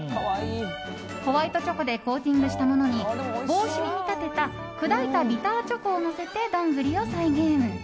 ホワイトチョコでコーティングしたものに帽子に見立てた砕いたビターチョコをのせてどんぐりを再現。